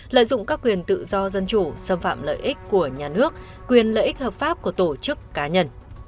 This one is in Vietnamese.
lợi dụng các quyền tự do dân chủ xâm phạm lợi ích của nhà nước quyền lợi ích hợp pháp của tổ chức cá nhân